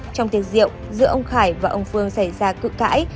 trong tiền rượu giữa ông khải và ông phương xảy ra cự cãi